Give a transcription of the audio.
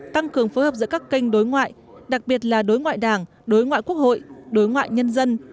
tăng cường phối hợp giữa các kênh đối ngoại đặc biệt là đối ngoại đảng đối ngoại quốc hội đối ngoại nhân dân